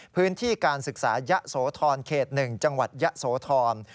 พื้นที่การศึกษายะโสธรเขต๑จังหวัดยะโสธร